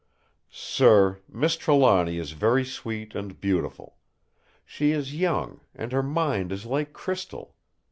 "Sir, Miss Trelawny is very sweet and beautiful! She is young; and her mind is like crystal!